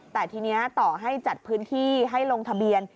แต่ทีนี้ต่อให้จัดพื้นที่ให้ลงทะเบียน